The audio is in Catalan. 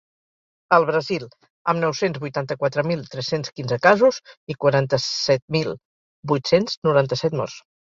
El Brasil, amb nou-cents vuitanta-quatre mil tres-cents quinze casos i quaranta-set mil vuit-cents noranta-set morts.